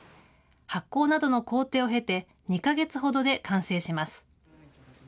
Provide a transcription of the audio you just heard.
発酵などの工程を経て、２か月ほどで完成します。